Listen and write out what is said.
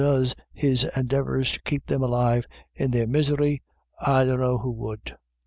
25^ does his endeavours to keep them alive in their misery, I dunno who would."